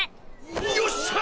よっしゃ！